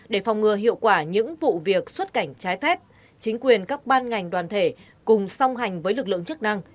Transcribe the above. để phòng ngừa hiệu quả những vụ việc xuất cảnh trái phép chính quyền các ban ngành đoàn thể cùng song hành với lực lượng chức năng